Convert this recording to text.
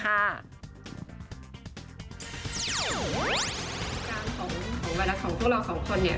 การของบรรดาของพวกเราของคน